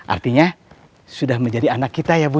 artinya sudah menjadi anak kita ya bu